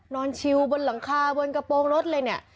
ชิลบนหลังคาบนกระโปรงรถเลยเนี่ย